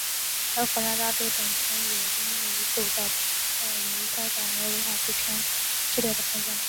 而火山渣锥本身也因为构造太为松散而无法支撑剧烈的喷发。